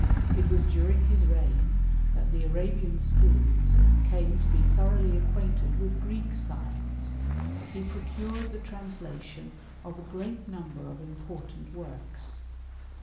It was during his reign that the Arabian schools came to be thoroughly acquainted with Greek science; he procured the translation of a great number of important works.